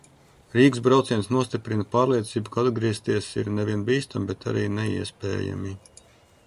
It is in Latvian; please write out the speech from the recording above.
Rīgas brauciens nostiprina pārliecību, ka atgriezties ir nevien bīstami, bet arī neiespējami.